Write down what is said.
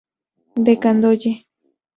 De Candolle.